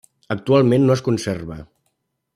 Actualment no es conserva.